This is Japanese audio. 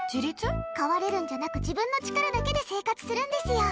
飼われるんじゃなく自分の力だけで生活するんですよ。